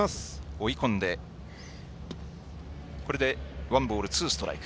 追い込んでワンボールツーストライク。